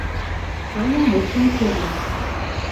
— Аня мутшым кӱрльӧ.